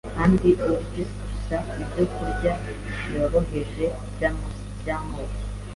kandi urye gusa ibyokurya byoroheje by’amoko